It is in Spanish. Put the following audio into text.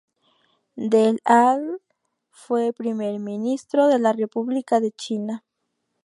Del al fue Primer ministro de la República de China.